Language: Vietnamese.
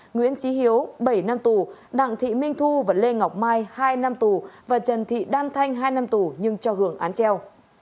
nguyễn trí hiếu bảy năm tù đặng thị minh thu và lê ngọc mai hai năm tù và trần thị đan thanh hai năm tù nhưng cho hưởng án treo